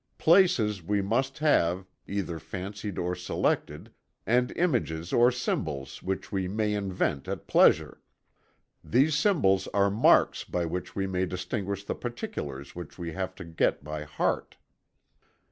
Places we must have, either fancied or selected, and images or symbols which we may invent at pleasure. These symbols are marks by which we may distinguish the particulars which we have to get by heart."